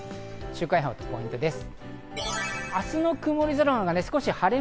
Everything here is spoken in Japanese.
週間予報とポイントです。